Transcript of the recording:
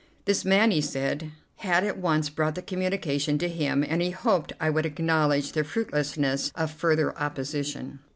This man, he said, had at once brought the communication to him, and he hoped I would acknowledge the fruitlessness of further opposition.